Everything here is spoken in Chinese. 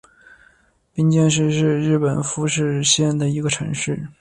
冰见市是日本富山县的一个城市。